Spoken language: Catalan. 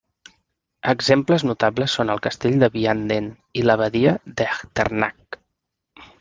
Exemples notables són el Castell de Vianden i l'Abadia d'Echternach.